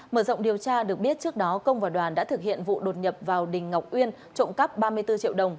mở rộng điều tra được biết trước đó công và đoàn đã thực hiện vụ đột nhập vào đình ngọc uyên trộm cắp ba mươi bốn triệu đồng